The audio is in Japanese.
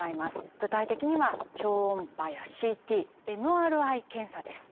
具体的には超音波やＣＴＭＲＩ検査です。